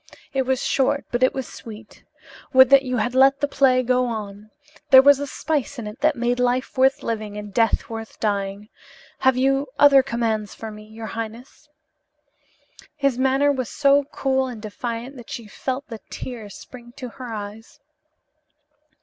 It was short but it was sweet. Would that you had let the play go on. There was a spice in it that made life worth living and death worth the dying. Have you other commands for me, your highness?" His manner was so cool and defiant that she felt the tears spring to her eyes.